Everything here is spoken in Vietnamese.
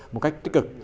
một cách tích cực